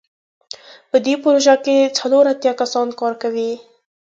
په دې پروژه کې څلور اتیا کسان کار کوي.